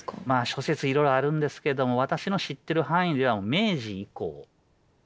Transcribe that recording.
まあ諸説いろいろあるんですけども私の知ってる範囲では明治以降。